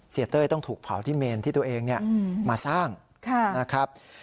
เต้ยต้องถูกเผาที่เมนที่ตัวเองมาสร้างนะครับ